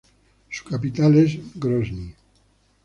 Su capital es Grozni.